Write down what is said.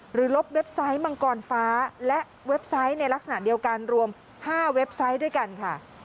ลบเว็บไซต์มังกรฟ้าและเว็บไซต์ในลักษณะเดียวกันรวม๕เว็บไซต์ด้วยกันค่ะ